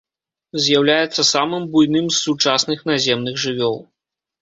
З'яўляецца самым буйным з сучасных наземных жывёл.